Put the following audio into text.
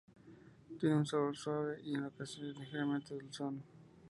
Tiene un sabor suave y, en ocasiones, ligeramente dulzón.